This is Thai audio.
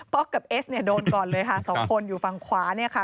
กับเอสเนี่ยโดนก่อนเลยค่ะสองคนอยู่ฝั่งขวาเนี่ยค่ะ